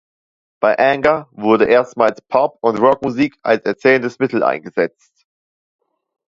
Bei Anger wurde erstmals Pop- und Rockmusik als erzählendes Mittel eingesetzt.